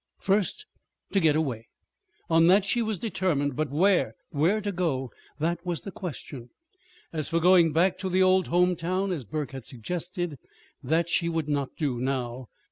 First, to get away. On that she was determined. But where to go that was the question. As for going back to the old home town as Burke had suggested that she would not do now.